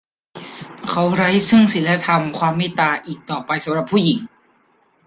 เขาไร้ซึ่งศีลธรรม ความเมตตา อีกต่อไปสำหรับผู้หญิง